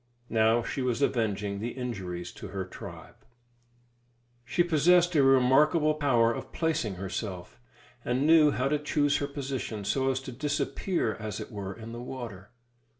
Now she was avenging the injuries to her tribe. She possessed a remarkable power of placing herself, and knew how to choose her position so as to disappear, as it were, in the water.